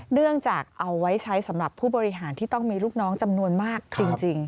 เนื่องจากเอาไว้ใช้สำหรับผู้บริหารที่ต้องมีลูกน้องจำนวนมากจริง